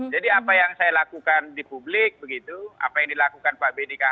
jadi apa yang saya lakukan di publik begitu apa yang dilakukan pak bintang begitu